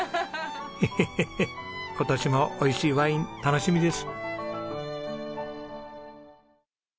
ヘヘヘヘ今年も美味しいワイン楽しみです。